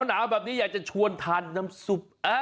หนาวแบบนี้อยากจะชวนทานน้ำซุป